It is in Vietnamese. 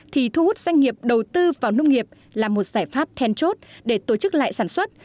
thì thu hút doanh nghiệp đầu tư vào nông nghiệp là một giải pháp then chốt để tổ chức lại sản xuất